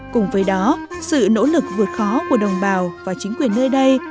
cùng với đó sự nỗ lực vượt khó của đồng bào và chính quyền nơi đây